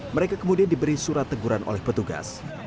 mereka kemudian diberi surat teguran oleh petugas